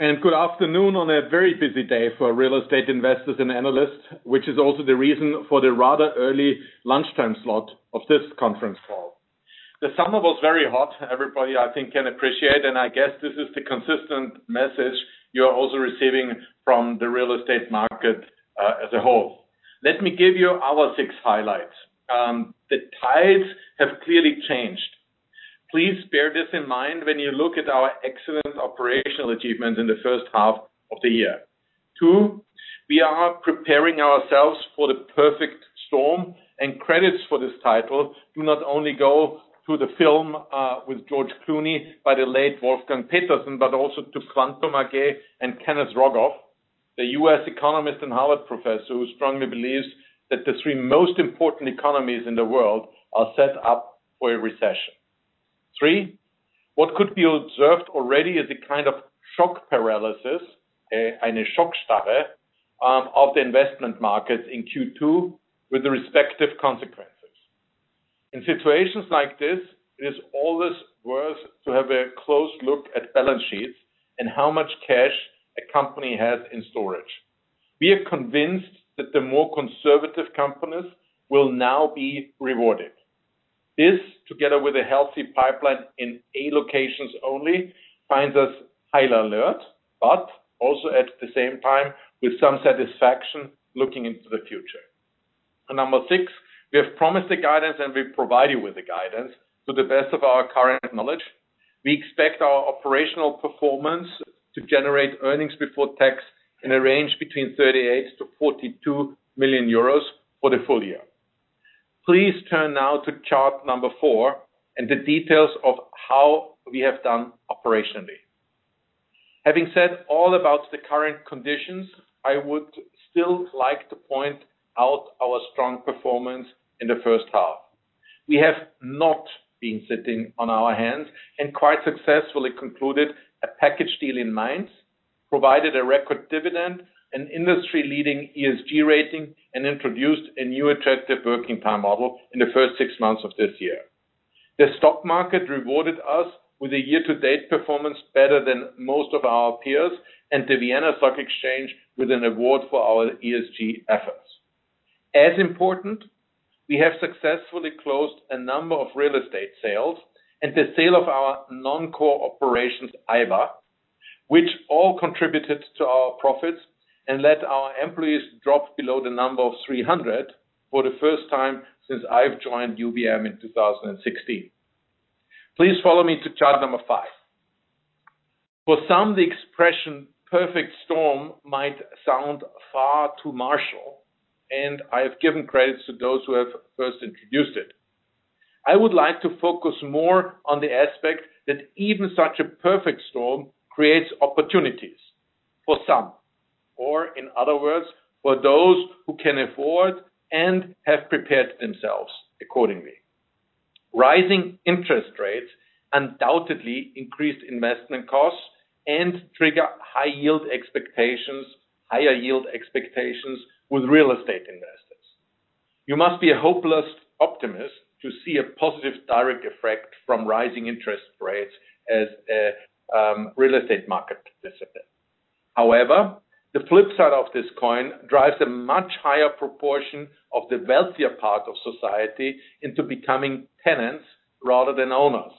Good afternoon on a very busy day for real estate investors and analysts, which is also the reason for the rather early lunchtime slot of this conference call. The summer was very hot. Everybody, I think, can appreciate, and I guess this is the consistent message you are also receiving from the real estate market as a whole. Let me give you our six highlights. The tides have clearly changed. Please bear this in mind when you look at our excellent operational achievements in the first half of the year. Two, we are preparing ourselves for The Perfect Storm, and credits for this title do not only go to the film with George Clooney by the late Wolfgang Petersen, but also to Nouriel Roubini and Kenneth Rogoff, the U.S. economist and Harvard professor who strongly believes that the three most important economies in the world are set up for a recession. Three, what could be observed already is a kind of shock paralysis and a shock stare of the investment markets in Q2 with the respective consequences. In situations like this, it is always worth to have a close look at balance sheets and how much cash a company has in storage. We are convinced that the more conservative companies will now be rewarded. This, together with a healthy pipeline in eight locations only, finds us high alert, but also at the same time with some satisfaction looking into the future. Number six, we have promised the guidance, and we provide you with the guidance to the best of our current knowledge. We expect our operational performance to generate earnings before tax in a range between 38 million-42 million euros for the full year. Please turn now to chart number four and the details of how we have done operationally. Having said all about the current conditions, I would still like to point out our strong performance in the first half. We have not been sitting on our hands and quite successfully concluded a package deal in Mainz, provided a record dividend, an industry-leading ESG rating, and introduced a new attractive working time model in the first six months of this year. The stock market rewarded us with a year-to-date performance better than most of our peers, and the Vienna Stock Exchange with an award for our ESG efforts. As important, we have successfully closed a number of real estate sales and the sale of our non-core operations, Alba, which all contributed to our profits and let our employees drop below the number of 300 for the first time since I've joined UBM in 2016. Please follow me to chart five. For some, the expression perfect storm might sound far too martial, and I have given credits to those who have first introduced it. I would like to focus more on the aspect that even such a perfect storm creates opportunities for some, or in other words, for those who can afford and have prepared themselves accordingly. Rising interest rates undoubtedly increase investment costs and trigger high yield expectations, higher yield expectations with real estate investors. You must be a hopeless optimist to see a positive direct effect from rising interest rates as a real estate market discipline. However, the flip side of this coin drives a much higher proportion of the wealthier part of society into becoming tenants rather than owners.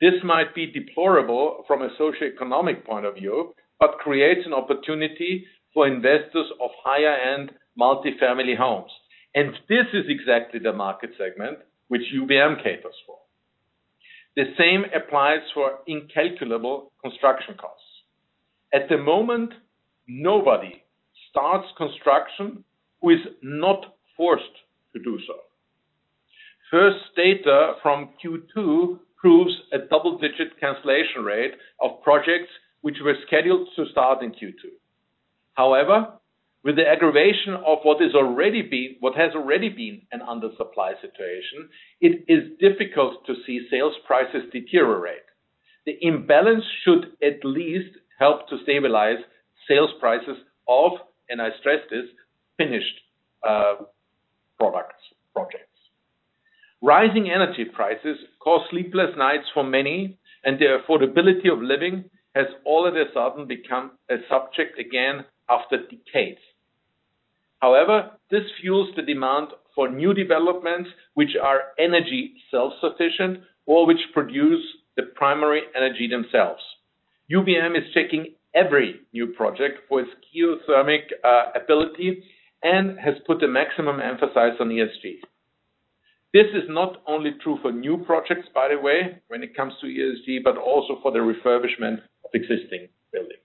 This might be deplorable from a socioeconomic point of view, but creates an opportunity for investors of higher-end multi-family homes. This is exactly the market segment which UBM caters for. The same applies to our incalculable construction costs. At the moment, nobody starts construction who is not forced to do so. First data from Q2 proves a double-digit cancellation rate of projects which were scheduled to start in Q2. However, with the aggravation of what is already been. What has already been an under supply situation, it is difficult to see sales prices deteriorate. The imbalance should at least help to stabilize sales prices of, and I stress this, finished, products, projects. Rising energy prices cause sleepless nights for many, and the affordability of living has all of a sudden become a subject again after decades. However, this fuels the demand for new developments which are energy self-sufficient or which produce the primary energy themselves. UBM is checking every new project for its geothermal ability and has put a maximum emphasis on ESG. This is not only true for new projects, by the way, when it comes to ESG, but also for the refurbishment of existing buildings.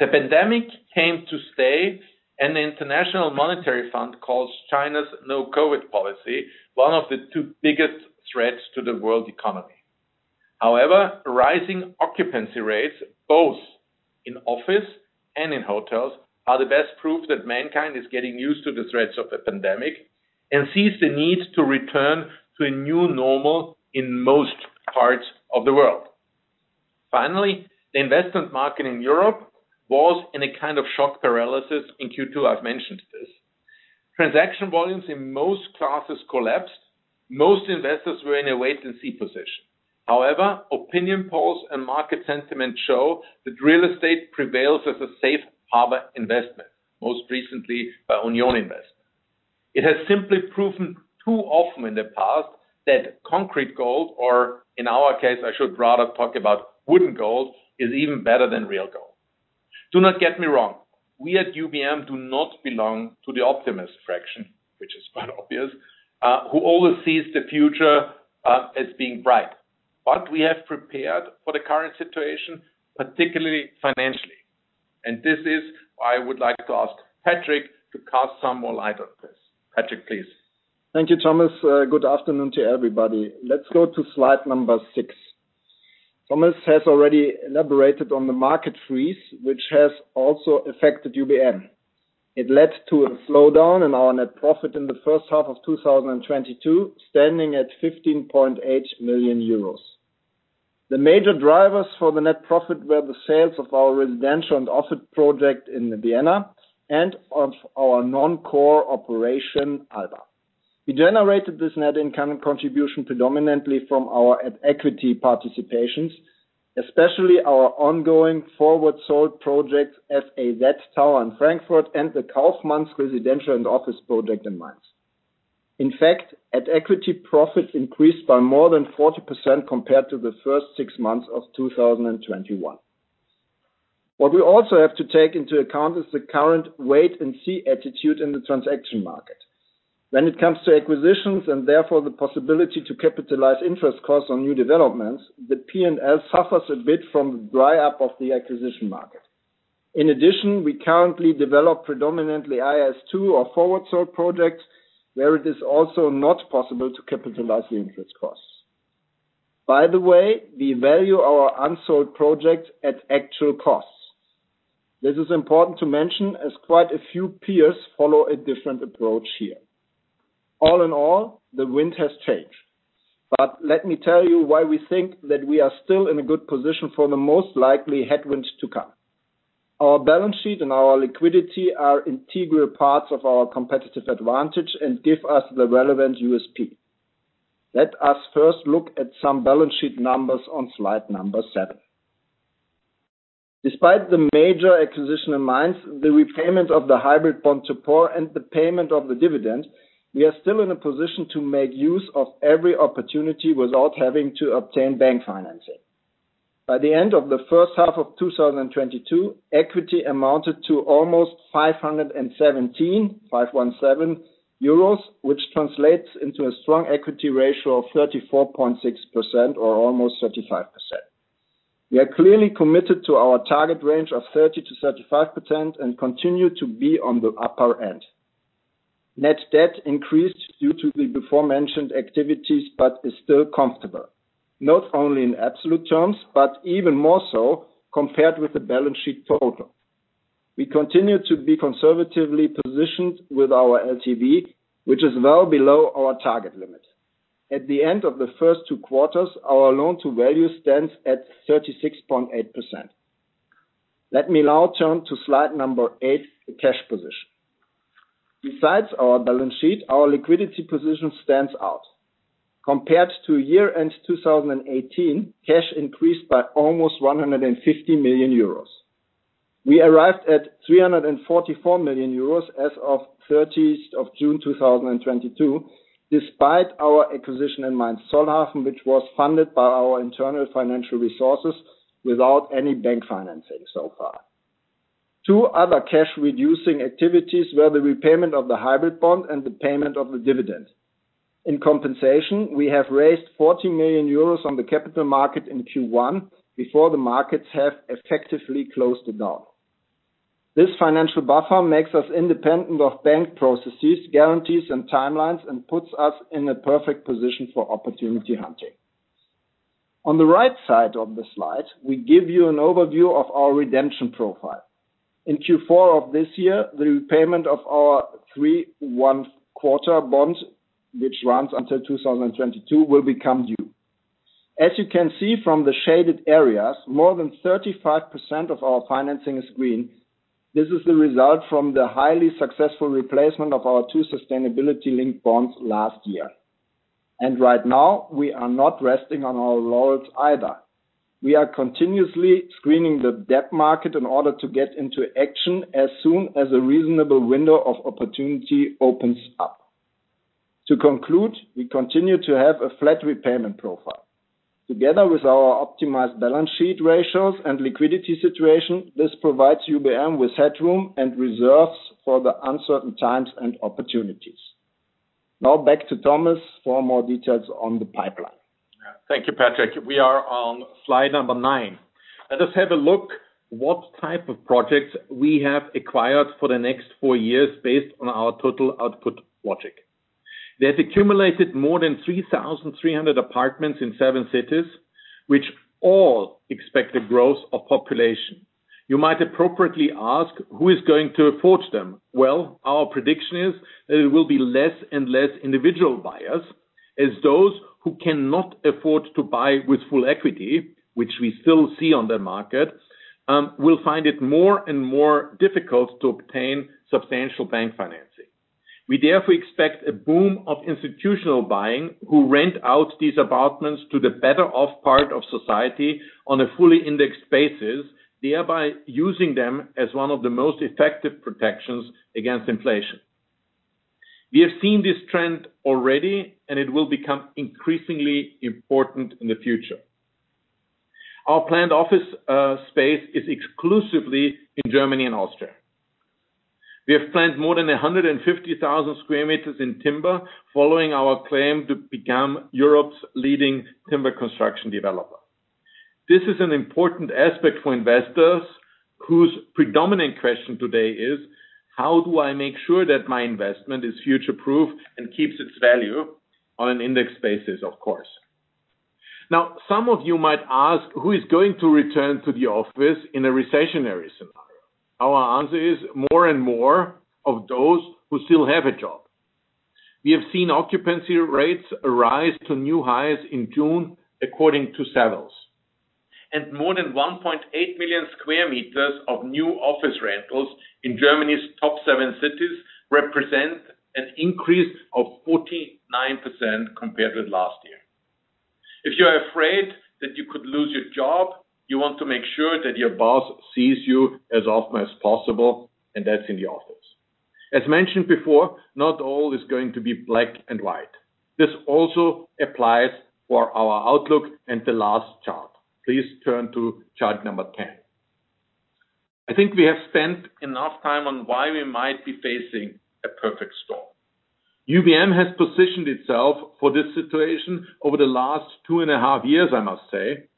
The pandemic came to stay, and the International Monetary Fund calls China's no COVID policy one of the two biggest threats to the world economy. However, rising occupancy rates, both in office and in hotels, are the best proof that mankind is getting used to the threats of the pandemic and sees the need to return to a new normal in most parts of the world. Finally, the investment market in Europe was in a kind of shock paralysis in Q2, as I've mentioned. Transaction volumes in most classes collapsed. Most investors were in a wait and see position. However, opinion polls and market sentiment show that real estate prevails as a safe harbor investment, most recently by Union Investment. It has simply proven too often in the past that concrete gold, or in our case, I should rather talk about wooden gold, is even better than real gold. Do not get me wrong, we at UBM do not belong to the optimist faction, which is quite obvious, who always sees the future, as being bright. We have prepared for the current situation, particularly financially, and this is why I would like to ask Patric to cast some more light on this. Patric, please. Thank you, Thomas. Good afternoon to everybody. Let's go to slide number six. Thomas has already elaborated on the market freeze, which has also affected UBM. It led to a slowdown in our net profit in the first half of 2022, standing at 15.8 million euros. The major drivers for the net profit were the sales of our residential and office project in Vienna and of our non-core operation, Alba. We generated this net income contribution predominantly from our at equity participations, especially our ongoing forward sold projects, F.A.Z. Tower in Frankfurt and the Kaufmannshof residential and office project in Mainz. In fact, at equity, profits increased by more than 40% compared to the first six months of 2021. What we also have to take into account is the current wait and see attitude in the transaction market. When it comes to acquisitions and therefore the possibility to capitalize interest costs on new developments, the P&L suffers a bit from the dry up of the acquisition market. In addition, we currently develop predominantly IFRS 2 or forward sold projects where it is also not possible to capitalize the interest costs. By the way, we value our unsold projects at actual costs. This is important to mention as quite a few peers follow a different approach here. All in all, the wind has changed. Let me tell you why we think that we are still in a good position for the most likely headwinds to come. Our balance sheet and our liquidity are integral parts of our competitive advantage and give us the relevant USP. Let us first look at some balance sheet numbers on slide number seven. Despite the major acquisition in Mainz, the repayment of the hybrid bond at par and the payment of the dividend, we are still in a position to make use of every opportunity without having to obtain bank financing. By the end of the first half of 2022, equity amounted to almost 517 million euros, which translates into a strong equity ratio of 34.6% or almost 35%. We are clearly committed to our target range of 30%-35% and continue to be on the upper end. Net debt increased due to the aforementioned activities, but is still comfortable, not only in absolute terms, but even more so compared with the balance sheet total. We continue to be conservatively positioned with our LTV, which is well below our target limit. At the end of the first two quarters, our loan to value stands at 36.8%. Let me now turn to slide number eight, the cash position. Besides our balance sheet, our liquidity position stands out. Compared to year-end 2018, cash increased by almost 150 million euros. We arrived at 344 million euros as of 30th of June 2022, despite our acquisition in Mainz Zollhafen, which was funded by our internal financial resources without any bank financing so far. Two other cash reducing activities were the repayment of the hybrid bond and the payment of the dividend. In compensation, we have raised 40 million euros on the capital market in Q1 before the markets have effectively closed the door. This financial buffer makes us independent of bank processes, guarantees and timelines, and puts us in a perfect position for opportunity hunting. On the right side of the slide, we give you an overview of our redemption profile. In Q4 of this year, the repayment of our 3.25% bond, which runs until 2022, will become due. As you can see from the shaded areas, more than 35% of our financing is green. This is the result from the highly successful replacement of our two sustainability-linked bonds last year. Right now we are not resting on our laurels either. We are continuously screening the debt market in order to get into action as soon as a reasonable window of opportunity opens up. To conclude, we continue to have a flat repayment profile. Together with our optimized balance sheet ratios and liquidity situation, this provides UBM with headroom and reserves for the uncertain times and opportunities. Now back to Thomas for more details on the pipeline. Thank you, Patric. We are on slide number nine. Let us have a look what type of projects we have acquired for the next four years based on our total output logic. They have accumulated more than 3,300 apartments in seven cities, which all expect a growth of population. You might appropriately ask, who is going to afford them? Well, our prediction is that it will be less and less individual buyers. As those who cannot afford to buy with full equity, which we still see on the market, will find it more and more difficult to obtain substantial bank financing. We therefore expect a boom of institutional buying who rent out these apartments to the better off part of society on a fully indexed basis, thereby using them as one of the most effective protections against inflation. We have seen this trend already and it will become increasingly important in the future. Our planned office space is exclusively in Germany and Austria. We have planned more than 150,000 square meters in timber following our claim to become Europe's leading timber construction developer. This is an important aspect for investors whose predominant question today is, how do I make sure that my investment is future proof and keeps its value on an index basis, of course? Now, some of you might ask, who is going to return to the office in a recessionary scenario? Our answer is more and more of those who still have a job. We have seen occupancy rates rise to new highs in June, according to Savills. More than 1.8 million square meters of new office rentals in Germany's top seven cities represent an increase of 49% compared with last year. If you are afraid that you could lose your job, you want to make sure that your boss sees you as often as possible, and that's in the office. As mentioned before, not all is going to be black and white. This also applies for our outlook and the last chart. Please turn to chart number 10. I think we have spent enough time on why we might be facing a perfect storm. UBM has positioned itself for this situation over the last two and a half years, I must say,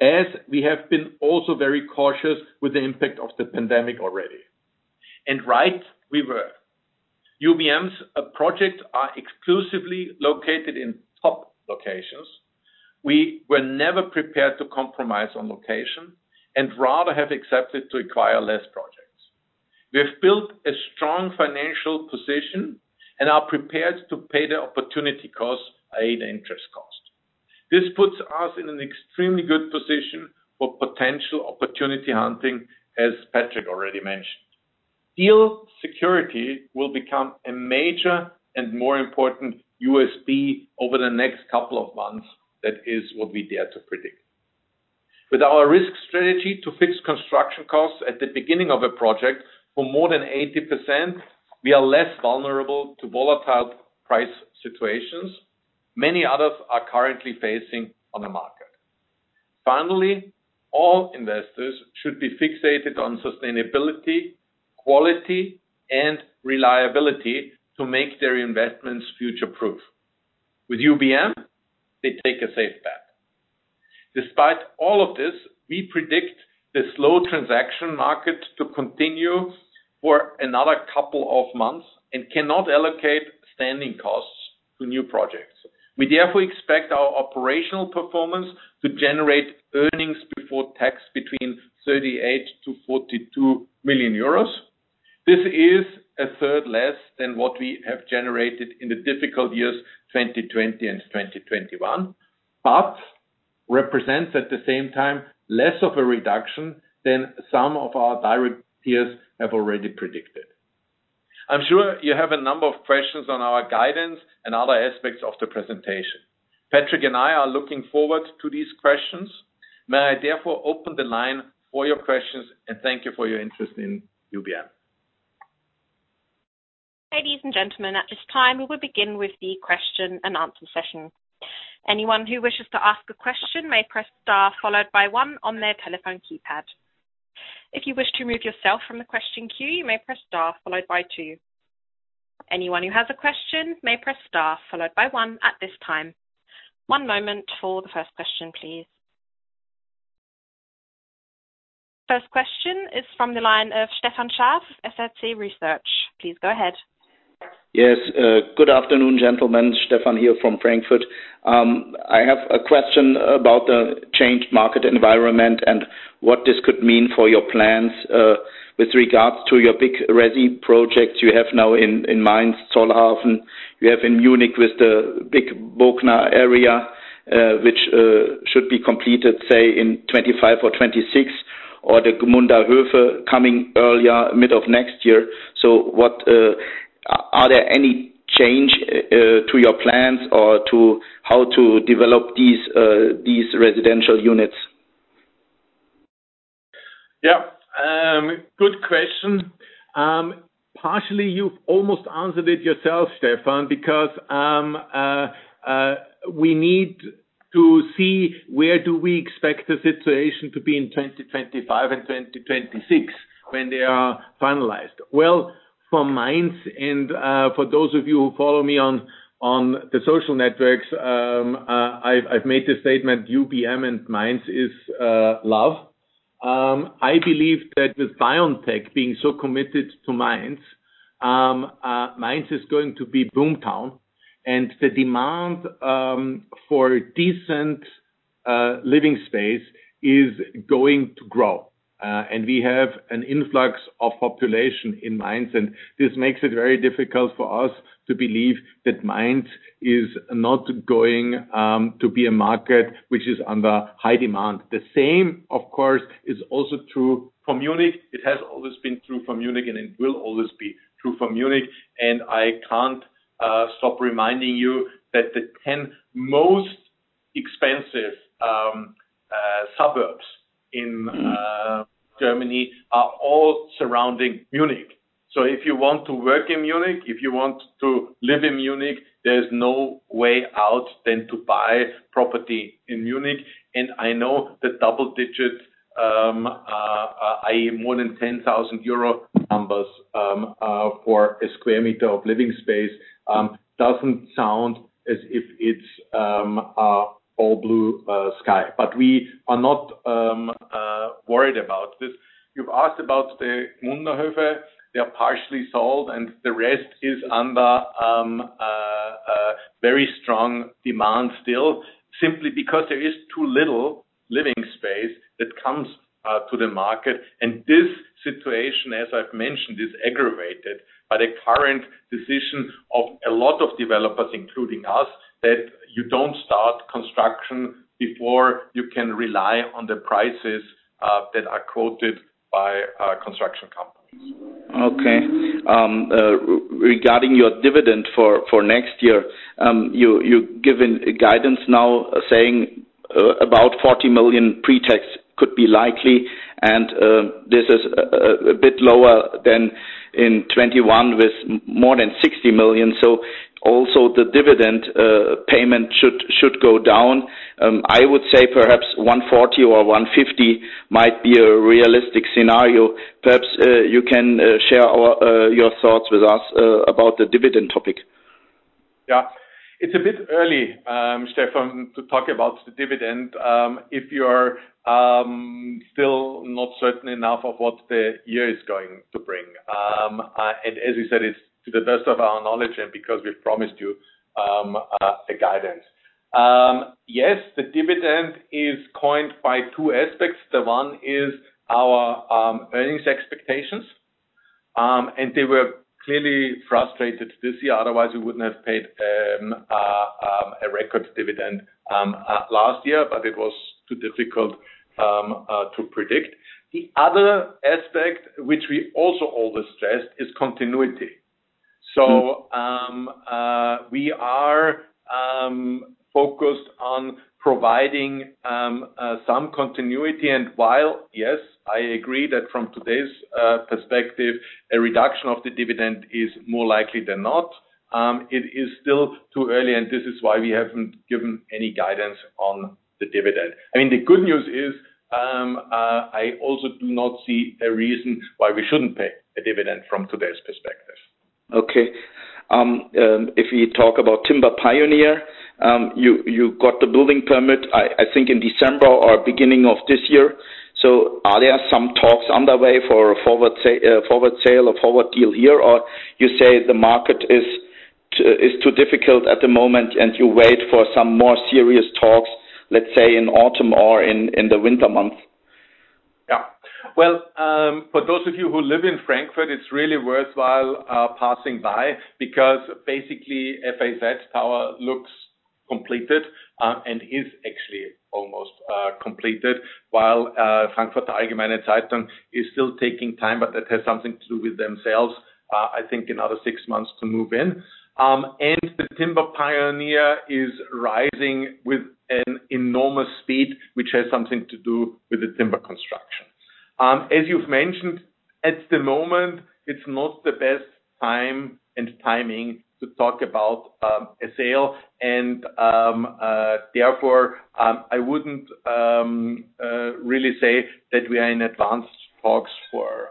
as we have been also very cautious with the impact of the pandemic already. Right, we were. UBM's projects are exclusively located in top locations. We were never prepared to compromise on location and rather have accepted to acquire less projects. We have built a strong financial position and are prepared to pay the opportunity cost i.e., the interest cost. This puts us in an extremely good position for potential opportunity hunting, as Patric already mentioned. Deal security will become a major and more important USP over the next couple of months. That is what we dare to predict. With our risk strategy to fix construction costs at the beginning of a project for more than 80%, we are less vulnerable to volatile price situations many others are currently facing on the market. Finally, all investors should be fixated on sustainability, quality, and reliability to make their investments future-proof. With UBM, they take a safe bet. Despite all of this, we predict the slow transaction market to continue for another couple of months and cannot allocate standing costs to new projects. We therefore expect our operational performance to generate earnings before tax between 38 million-42 million euros. This is a third less than what we have generated in the difficult years, 2020 and 2021, but represents at the same time, less of a reduction than some of our direct peers have already predicted. I'm sure you have a number of questions on our guidance and other aspects of the presentation. Patric and I are looking forward to these questions. May I therefore open the line for your questions, and thank you for your interest in UBM. Ladies and gentlemen, at this time, we will begin with the Q&A session. Anyone who wishes to ask a question may press star followed by one on their telephone keypad. If you wish to remove yourself from the question queue, you may press star followed by two. Anyone who has a question may press star followed by one at this time. One moment for the first question, please. First question is from the line of Stefan Scharff, SRC Research. Please go ahead. Yes. Good afternoon, gentlemen. Stefan here from Frankfurt. I have a question about the changed market environment and what this could mean for your plans with regards to your big resi projects you have now in Mainz Zollhafen. You have in Munich with the big Bogner area, which should be completed, say, in 2025 or 2026, or the Gmunder Höfe coming earlier mid of next year. What are there any change to your plans or to how to develop these residential units? Yeah. Good question. Partially, you've almost answered it yourself, Stefan, because we need to see where do we expect the situation to be in 2025 and 2026 when they are finalized. Well, for Mainz and, for those of you who follow me on the social networks, I've made the statement, UBM and Mainz is love. I believe that with BioNTech being so committed to Mainz is going to be boom town. The demand for decent living space is going to grow. We have an influx of population in Mainz, and this makes it very difficult for us to believe that Mainz is not going to be a market which is under high demand. The same, of course, is also true for Munich. It has always been true for Munich, and it will always be true for Munich. I can't stop reminding you that the 10 most expensive suburbs in Germany are all surrounding Munich. If you want to work in Munich, if you want to live in Munich, there's no way out than to buy property in Munich. I know the double digit, i.e. more than 10,000 euro numbers, for a square meter of living space, doesn't sound as if it's all blue sky. We are not worried about this. You've asked about the Gmunder Höfe. They are partially sold, and the rest is under very strong demand still, simply because there is too little living space that comes to the market. This situation, as I've mentioned, is aggravated by the current decision of a lot of developers, including us, that you don't start construction before you can rely on the prices that are quoted by construction companies. Okay. Regarding your dividend for next year, you've given guidance now saying about 40 million pretax could be likely, and this is a bit lower than in 2021 with more than 60 million. Also, the dividend payment should go down. I would say perhaps 1.40 or 1.50 might be a realistic scenario. Perhaps you can share your thoughts with us about the dividend topic. Yeah. It's a bit early, Stefan, to talk about the dividend, if you're still not certain enough of what the year is going to bring. As you said, it's to the best of our knowledge and because we've promised you a guidance. Yes, the dividend is coined by two aspects. The one is our earnings expectations, and they were clearly frustrated this year, otherwise we wouldn't have paid a record dividend last year, but it was too difficult to predict. The other aspect which we also always stressed is continuity. We are focused on providing some continuity. While, yes, I agree that from today's perspective, a reduction of the dividend is more likely than not, it is still too early, and this is why we haven't given any guidance on the dividend. I mean, the good news is, I also do not see a reason why we shouldn't pay a dividend from today's perspective. Okay. If we talk about Timber Pioneer, you got the building permit, I think in December or beginning of this year. Are there some talks underway for a forward sale or forward deal here? Or you say the market is too difficult at the moment and you wait for some more serious talks, let's say in autumn or in the winter months? Yeah. Well, for those of you who live in Frankfurt, it's really worthwhile passing by because basically F.A.Z. Tower looks completed and is actually almost completed. While Frankfurter Allgemeine Zeitung is still taking time, but that has something to do with themselves, I think another six months to move in. The Timber Pioneer is rising with an enormous speed, which has something to do with the timber construction. As you've mentioned, at the moment, it's not the best time and timing to talk about a sale. Therefore, I wouldn't really say that we are in advanced talks for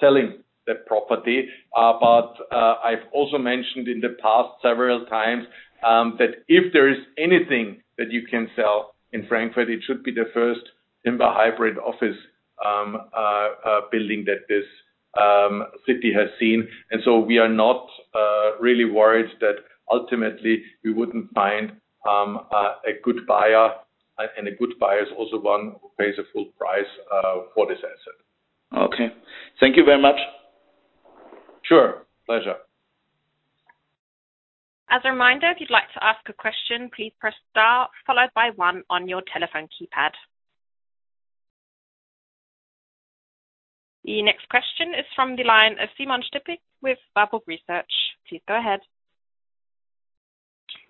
selling the property. I've also mentioned in the past several times that if there is anything that you can sell in Frankfurt, it should be the first timber hybrid office building that this city has seen. We are not really worried that ultimately we wouldn't find a good buyer. A good buyer is also one who pays a full price for this asset. Okay. Thank you very much. Sure. Pleasure. As a reminder, if you'd like to ask a question, please press star followed by one on your telephone keypad. The next question is from the line of Simon Stippig with Warburg Research. Please go ahead.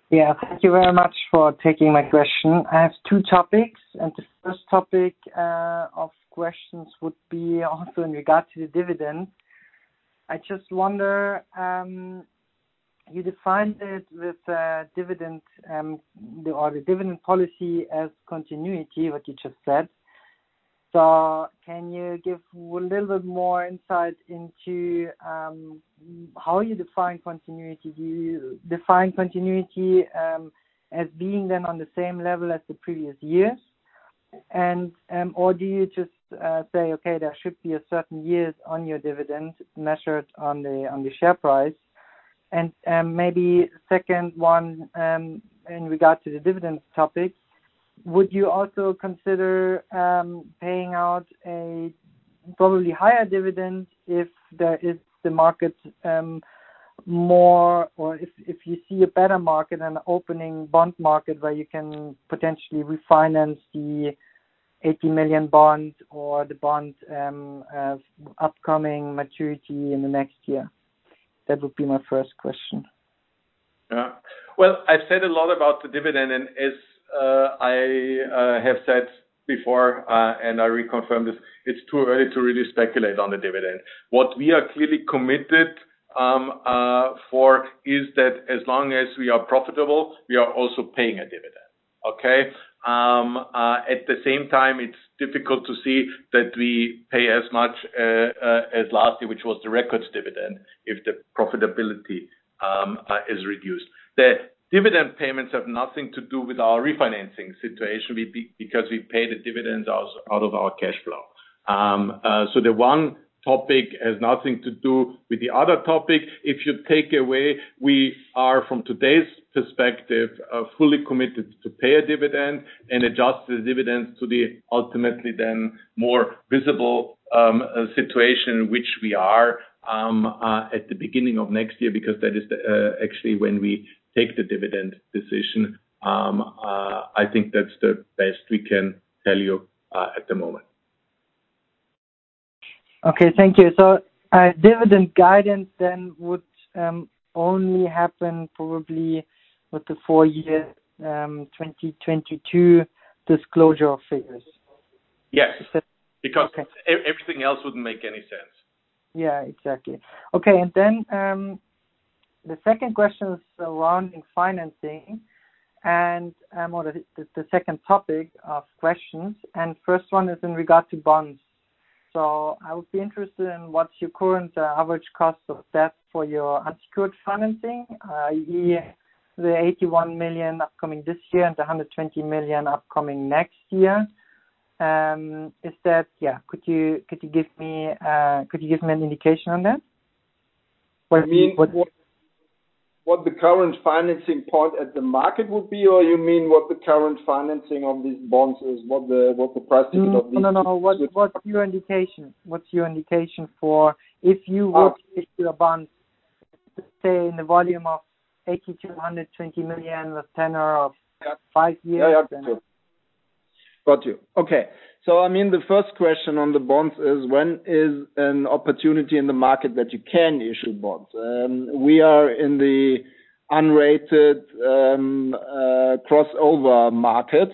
Yeah. Thank you very much for taking my question. I have two topics, and the first topic of questions would be also in regard to the dividend. I just wonder, you defined it with a dividend, or the dividend policy as continuity, what you just said. Can you give a little bit more insight into, how you define continuity? Do you define continuity, as being then on the same level as the previous years? Or do you just say, okay, there should be a certain years on your dividend measured on the share price? Maybe second one, in regard to the dividends topic, would you also consider paying out a probably higher dividend if there is the market more or if you see a better market and opening bond market where you can potentially refinance the 80 million bonds or the bonds of upcoming maturity in the next year? That would be my first question. Yeah. Well, I said a lot about the dividend, and as I have said before, and I reconfirm this, it's too early to really speculate on the dividend. What we are clearly committed for is that as long as we are profitable, we are also paying a dividend. Okay. At the same time, it's difficult to see that we pay as much as last year, which was the record dividend, if the profitability is reduced. The dividend payments have nothing to do with our refinancing situation because we pay the dividends out of our cash flow. The one topic has nothing to do with the other topic. If you take away, we are, from today's perspective, fully committed to pay a dividend and adjust the dividends to the ultimately then more visible situation which we are at the beginning of next year, because that is actually when we take the dividend decision. I think that's the best we can tell you at the moment. Okay, thank you. Dividend guidance then would only happen probably with the full year 2022 disclosure figures. Yes. Is that? Because- Okay. Everything else wouldn't make any sense. Yeah, exactly. Okay. Then, the second question is around financing, or the second topic of questions, and first one is in regard to bonds. So I would be interested in what's your current average cost of debt for your unsecured financing. The 81 million upcoming this year and the 120 million upcoming next year. Is that? Yeah, could you give me an indication on that. You mean what the current financing point at the market would be, or you mean what the current financing of these bonds is? What the pricing of these. No, no. What's your indication for if you would issue a bond, say, in the volume of 80 million-120 million with tenor of five years then? I mean, the first question on the bonds is when is an opportunity in the market that you can issue bonds? We are in the unrated crossover market.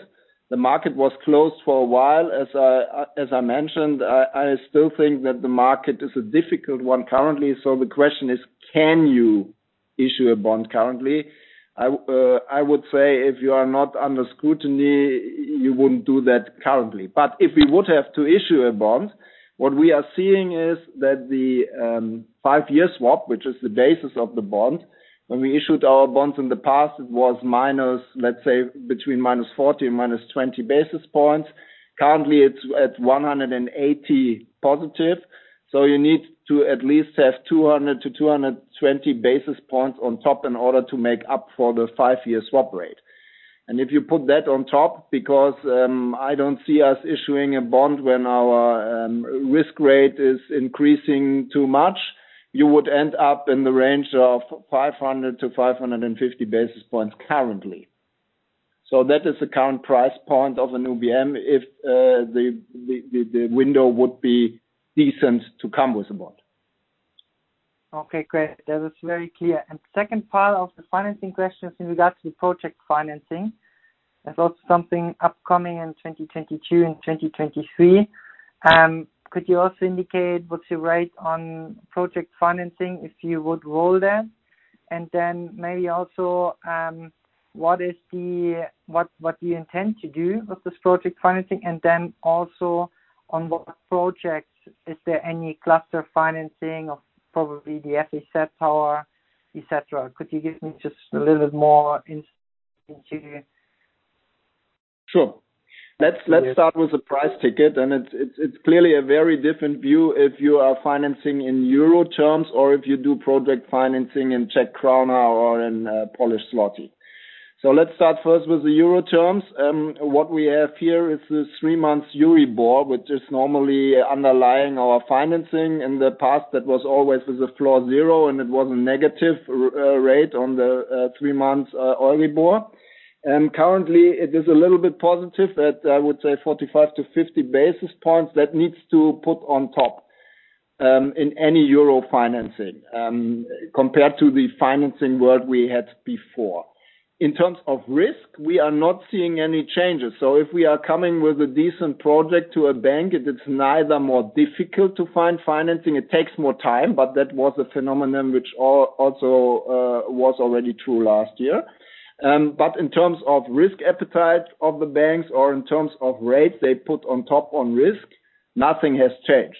The market was closed for a while. As I mentioned, I still think that the market is a difficult one currently. The question is, can you issue a bond currently? I would say if you are not under scrutiny, you wouldn't do that currently. But if we would have to issue a bond, what we are seeing is that the five-year swap, which is the basis of the bond, when we issued our bonds in the past, it was minus, let's say between -40 and -20 basis points. Currently, it's at 180+. You need to at least have 200 basis points-220 basis points on top in order to make up for the five-year swap rate. If you put that on top, because I don't see us issuing a bond when our risk rate is increasing too much, you would end up in the range of 500 basis points-550 basis points currently. That is the current price point of a new UBM if the window would be decent to come with a bond. Okay, great. That is very clear. Second part of the financing question is in regards to the project financing. There's also something upcoming in 2022 and 2023. Could you also indicate what's your rate on project financing, if you would roll that? Then maybe also, what do you intend to do with this project financing? Then also on what projects, is there any cluster financing of probably the asset portfolio, et cetera? Could you give me just a little bit more insight into? Sure. Let's start with the price ticket, and it's clearly a very different view if you are financing in euro terms or if you do project financing in Czech koruna or in Polish zloty. Let's start first with the euro terms. What we have here is the three-month EURIBOR, which is normally underlying our financing. In the past, that was always with a floor zero, and it was a negative rate on the three-month EURIBOR. Currently, it is a little bit positive at, I would say, 45 basis points-50 basis points that needs to put on top in any euro financing compared to the financing world we had before. In terms of risk, we are not seeing any changes. If we are coming with a decent project to a bank, it is neither more difficult to find financing. It takes more time, but that was a phenomenon which also was already true last year. In terms of risk appetite of the banks or in terms of rates they put on top of risk. Nothing has changed.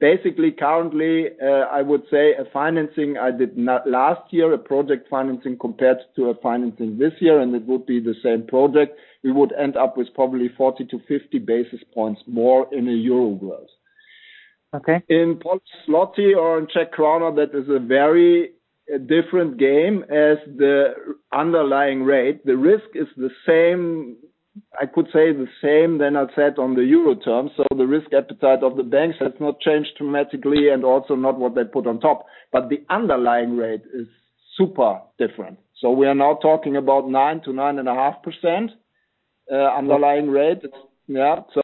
Basically, currently, I would say a financing I did last year, a project financing compared to a financing this year, and it would be the same project, we would end up with probably 40 basis points-50 basis points more in EUR gross. Okay. In Polish zloty or in Czech koruna, that is a very different game as the underlying rate. The risk is the same. I could say the same than I said on the euro terms. The risk appetite of the banks has not changed dramatically and also not what they put on top. But the underlying rate is super different. We are now talking about 9%-9.5% underlying rate.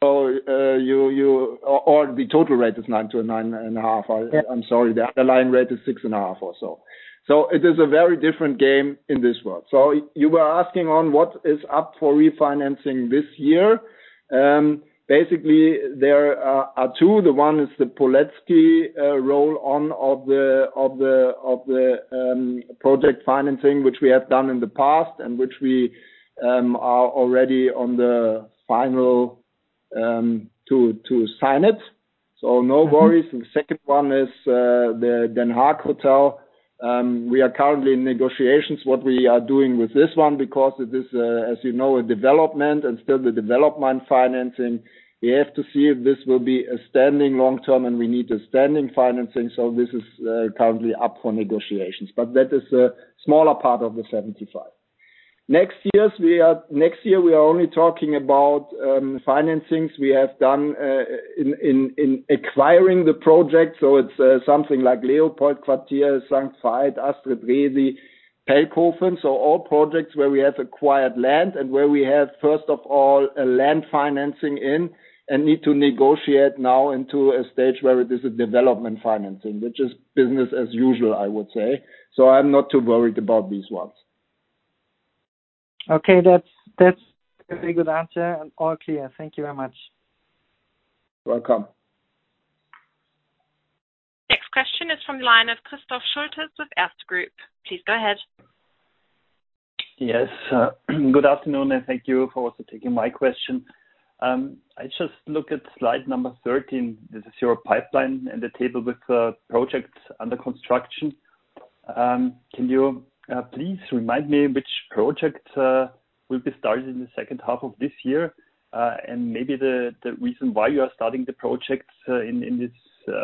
Or the total rate is 9%-9.5%. Yeah. I'm sorry. The underlying rate is 6.5% or so. It is a very different game in this world. You were asking on what is up for refinancing this year. Basically, there are two. The one is the Poleczki rollover of the project financing, which we have done in the past, and which we are already on the final to sign it. No worries. The second one is the voco The Hague. We are currently in negotiations what we are doing with this one because it is, as you know, a development and still the development financing. We have to see if this will be a standard long-term and we need a standard financing. This is currently up for negotiations. That is a smaller part of the 75. Next year we are only talking about financings we have done in acquiring the project. It's something like LeopoldQuartier, St. Veit, Astrid Garden, Pelkovenstraße All projects where we have acquired land and where we have, first of all, a land financing in and need to negotiate now into a stage where it is a development financing, which is business as usual, I would say. I'm not too worried about these ones. Okay. That's a very good answer. All clear. Thank you very much. You're welcome. Next question is from the line of Christoph Schultes with Erste Group. Please go ahead. Yes. Good afternoon, and thank you for also taking my question. I just look at slide number 13. This is your pipeline and the table with the projects under construction. Can you please remind me which projects will be started in the second half of this year? Maybe the reason why you are starting the projects in this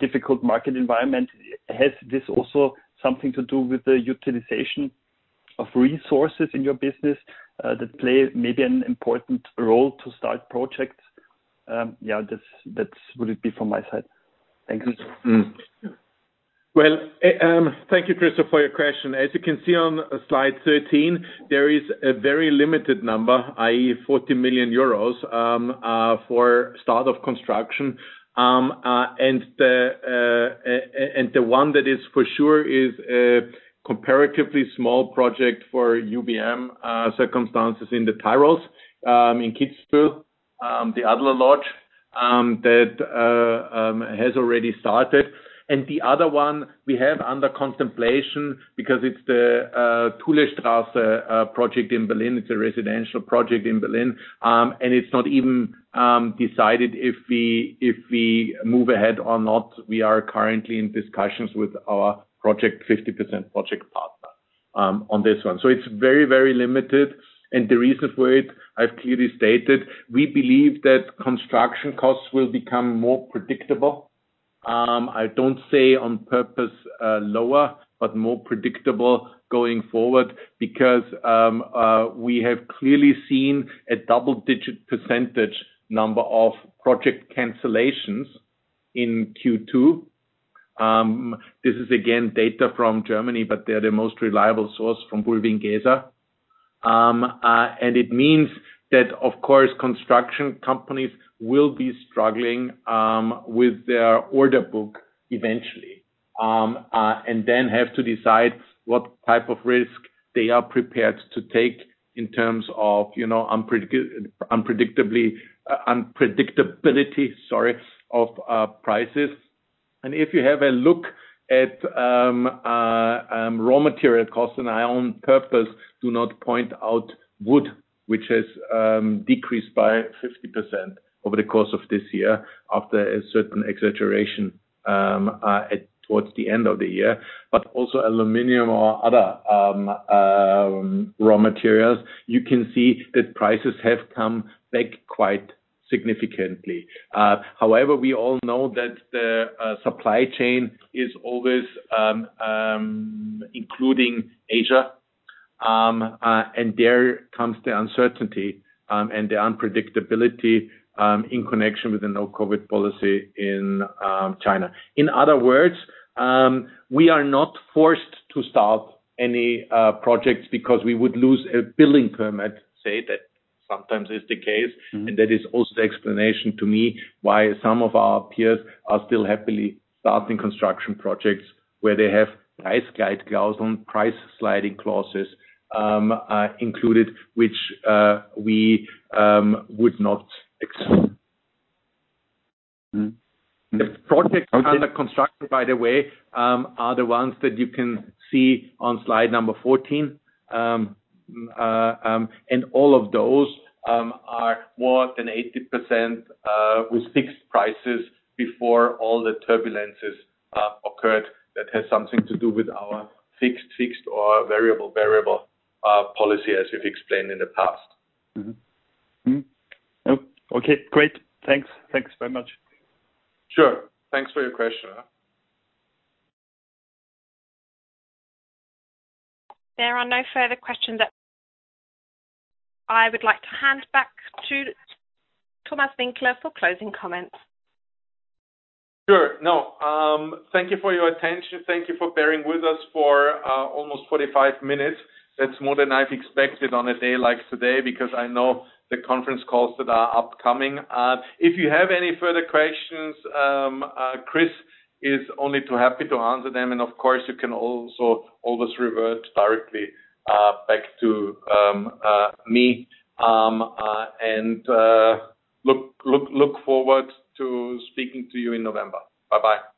difficult market environment. Has this also something to do with the utilization of resources in your business that play maybe an important role to start projects? That would be it from my side. Thank you. Well, thank you, Christoph, for your question. As you can see on slide 13, there is a very limited number, i.e., 40 million euros for start of construction. The one that is for sure is a comparatively small project for UBM circumstances in the Tyrol, in Kitzbühel, the Adler Lodge, that has already started. The other one we have under contemplation because it's the Thulestraße project in Berlin. It's a residential project in Berlin. It's not even decided if we move ahead or not. We are currently in discussions with our 50% project partner on this one. It's very, very limited. The reason for it, I've clearly stated we believe that construction costs will become more predictable. I don't say on purpose lower, but more predictable going forward because we have clearly seen a double-digit % number of project cancellations in Q2. This is again data from Germany, but they're the most reliable source from Bulwiengesa. It means that, of course, construction companies will be struggling with their order book eventually and then have to decide what type of risk they are prepared to take in terms of, you know, unpredictability, sorry, of prices. If you have a look at raw material costs, and I on purpose do not point out wood, which has decreased by 50% over the course of this year after a certain exaggeration towards the end of the year, but also aluminum or other raw materials. You can see that prices have come back quite significantly. However, we all know that the supply chain is always including Asia. And there comes the uncertainty and the unpredictability in connection with the zero COVID policy in China. In other words, we are not forced to stop any projects because we would lose a building permit, such that sometimes is the case. That is also the explanation to me why some of our peers are still happily starting construction projects where they have price sliding clauses included, which we would not accept. The projects under construction, by the way, are the ones that you can see on slide number 14. All of those are more than 80% with fixed prices before all the turbulences occurred. That has something to do with our fixed or variable policy, as we've explained in the past. Okay, great. Thanks. Thanks very much. Sure. Thanks for your question. There are no further questions. I would like to hand back to Thomas Winkler for closing comments. Sure. No, thank you for your attention. Thank you for bearing with us for almost 45 minutes. That's more than I've expected on a day like today, because I know the conference calls that are upcoming. If you have any further questions, Chris is only too happy to answer them. Of course, you can also always revert directly back to me. Look forward to speaking to you in November. Bye-bye.